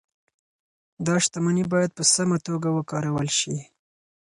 دا شتمني باید په سمه توګه وکارول شي.